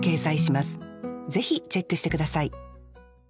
ぜひチェックして下さい。